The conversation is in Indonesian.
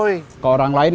sekarang sudah hewan